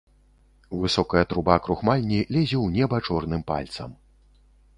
Высокая труба крухмальні лезе ў неба чорным пальцам.